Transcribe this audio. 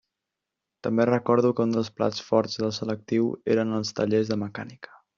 També recordo que un dels plats forts del selectiu eren els tallers de mecànica.